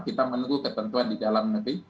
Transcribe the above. kita menunggu ketentuan di dalam negeri